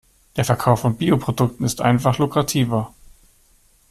Der Verkauf von Bio-Produkten ist einfach lukrativer.